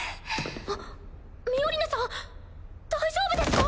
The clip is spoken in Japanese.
あっミオリネさん大丈夫ですか？